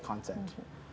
dan konten yang lebih sulit